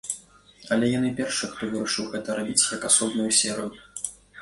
Але яны першыя, хто вырашыў гэта рабіць як асобную серыю.